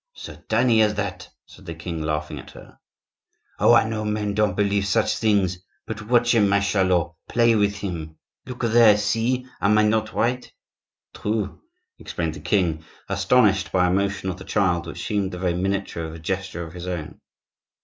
"So tiny as that!" said the king, laughing at her. "Oh, I know men don't believe such things; but watch him, my Charlot, play with him. Look there! See! Am I not right?" "True!" exclaimed the king, astonished by a motion of the child which seemed the very miniature of a gesture of his own.